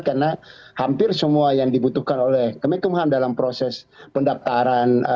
karena hampir semua yang dibutuhkan oleh kemenkumham dalam proses pendaptaran